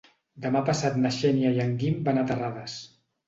Demà passat na Xènia i en Guim van a Terrades.